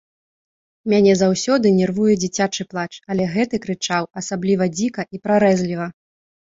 Мяне заўсёды нервуе дзіцячы плач, але гэты крычаў асабліва дзіка і прарэзліва.